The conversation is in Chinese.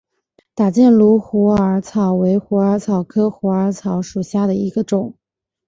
打箭炉虎耳草为虎耳草科虎耳草属下的一个种。